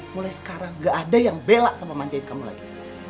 mulai sekarang gak ada yang bela sama manjain kamu lagi